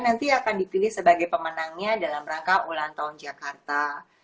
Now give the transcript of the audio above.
nanti akan dipilih sebagai pemenangnya dalam rangka ulang tahun jakarta